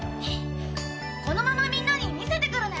このままみんなに見せてくるね。